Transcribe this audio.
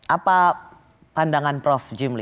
apa pandangan prof jimli